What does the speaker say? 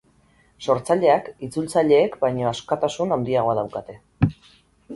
Sortzaileak itzultzaileek baino askatasun handiagoa daukate.